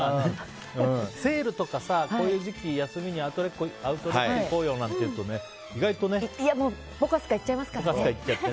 セールとか、こういう時期休みにアウトレット行こうよなんていうとポカスカいっちゃいますからね。